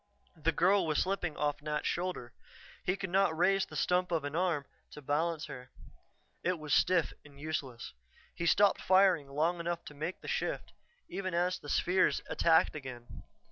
The girl was slipping off Nat's shoulder. He could not raise the stump of an arm to balance her; it was stiff and useless. He stopped firing long enough to make the shift, even as the spheres attacked again.